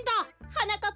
はなかっ